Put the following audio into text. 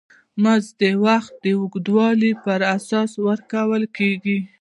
دا مزد د وخت د اوږدوالي پر اساس ورکول کېږي